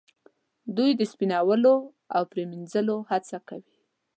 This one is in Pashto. دوی د سپینولو او پریمینځلو هڅه کوي.